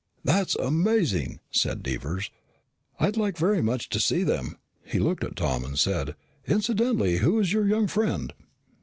"That's amazing," said Devers. "I'd like very much to see them." He looked at Tom and said, "Incidentally, who is your young friend?"